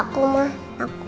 aku kan masih tanya papa